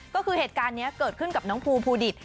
ก็คือเหตุการณ์นี้เกิดขึ้นกับน้องภูดิต